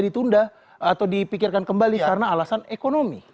ditunda atau dipikirkan kembali karena alasan ekonomi